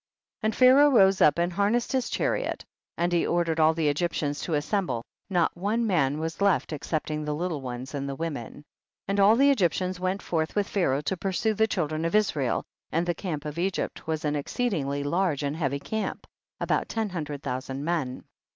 22. And Pharaoh rose up and har nessed his chariot, and he ordered all the Egyptians to assemble, not one man was left excepting the little ones and the women. 23. And all the Egyptians went forth with Pharaoh to pursue the children of Israel, and the camp of Egypt was an exceedingly large and heavy camp, about ten hundred thou sand men.